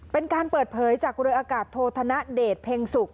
เป็นการเปิดเผยจากเรืออากาศโทษธนเดชเพ็งสุก